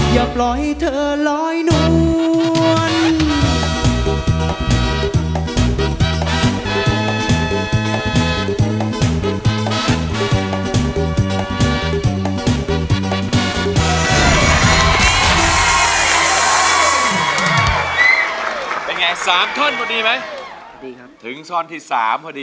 อย่าปล่อยให้เธอลอยนวล